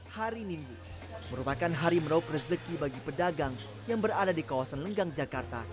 hari minggu merupakan hari meraup rezeki bagi pedagang yang berada di kawasan lenggang jakarta